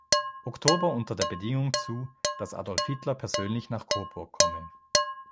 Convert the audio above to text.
Oktober unter der Bedingung zu, dass Adolf Hitler persönlich nach Coburg komme.